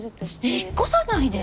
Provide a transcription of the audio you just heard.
引っ越さないです。